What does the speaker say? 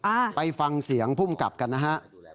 อ่าไปฟังเสียงภูมิกับกันนะฮะ